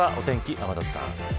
天達さん。